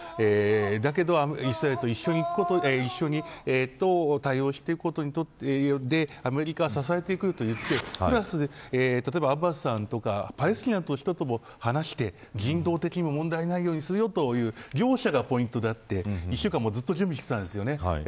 だけどイスラエルと一緒にどう対応していくかということでアメリカ支えていくということでプラス、パレスチナの人とも話して人道的に問題ないようにするという両者がポイントだって１週間ずっと準備していたんですよね。